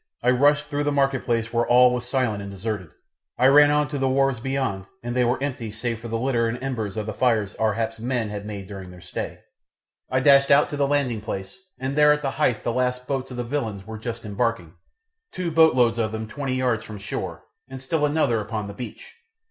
I rushed through the marketplace where all was silent and deserted; I ran on to the wharves beyond and they were empty save for the litter and embers of the fires Ar hap's men had made during their stay; I dashed out to the landing place, and there at the hythe the last boat loads of the villains were just embarking, two boatloads of them twenty yards from shore, and another still upon the beach.